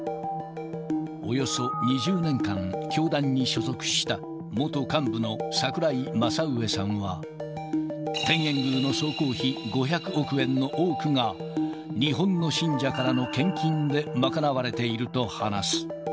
およそ２０年間、教団に所属した元幹部の櫻井正上さんは、天苑宮の総工費５００億円の多くが、日本の信者からの献金で賄われていると話す。